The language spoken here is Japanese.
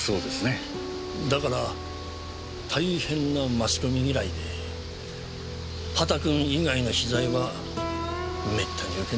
だから大変なマスコミ嫌いで畑君以外の取材はめったに受けなかった。